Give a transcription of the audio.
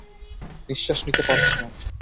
নিশ্বাস নিতে পারছি না।